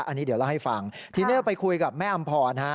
อันนี้เดี๋ยวเล่าให้ฟังทีนี้เราไปคุยกับแม่อำพรฮะ